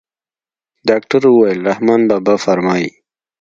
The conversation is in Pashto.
ډاکتر وويل رحمان بابا فرمايي.